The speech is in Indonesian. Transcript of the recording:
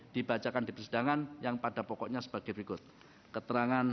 dibacakan di persidangan yang pada pokoknya sebagai berikut keterangan